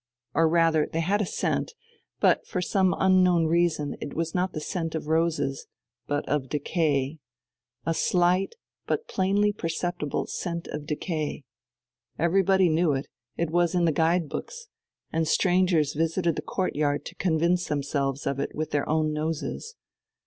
Or rather, they had a scent, but for some unknown reason it was not the scent of roses, but of decay a slight, but plainly perceptible scent of decay. Everybody knew it; it was in the guide books, and strangers visited the courtyard to convince themselves of it with their own noses.